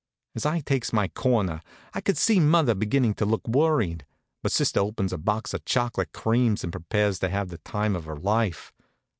As I takes my corner, I could see mother beginnin' to look worried; but sister opens a box of chocolate creams and prepares to have the time of her life.